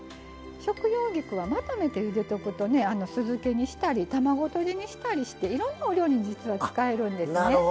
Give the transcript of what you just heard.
食用菊はまとめてゆでておくと酢漬けにしたり卵とじにしたりしていろんなお料理に実は使えるんですね。